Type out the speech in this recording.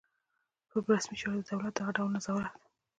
پر رسمي چارو د دولت دغه ډول نظارت.